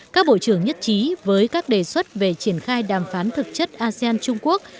các bộ trưởng nhất trí với các đề xuất về triển khai đàm phán thực chất asean trung quốc